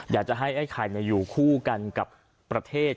อยากจะให้ไอ้ไข่อยู่คู่กันกับประเทศ